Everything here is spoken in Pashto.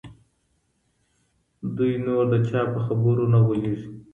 دوی نور د چا په خبرو نه غولیږي.